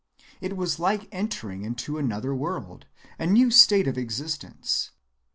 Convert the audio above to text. It was like entering another world, a new state of existence.